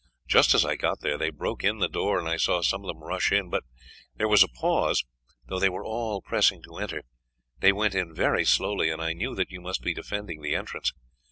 Just as I got there they broke in the door and I saw some of them rush in. But there was a pause, though they were all pressing to enter. They went in very slowly, and I knew that you must be defending the entrance.